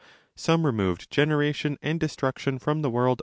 Some removed generation and destruction from the world altogether.